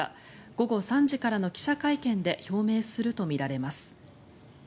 午後３時からの記者会見で表明するとみられます。